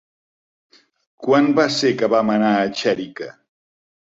Quan va ser que vam anar a Xèrica?